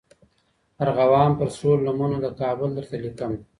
ارغوان پر سرو لمنو د کابل درته لیکمه